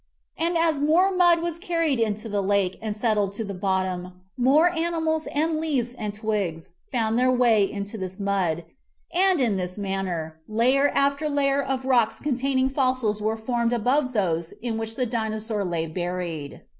And as more mud was carried into the lake and settled to the bottom, more animals and leaves and twigs found their way into this mud, and, in this manner, layer after layer of rocks containing A DINOSAUR BURIED IN THE ROCK 39 fossils were formed above those in which the Dino saur lay buried.